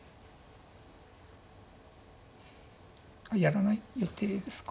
やらない予定ですか。